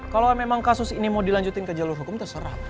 kalau memang kasus ini mau dilanjutin ke jalur hukum terserah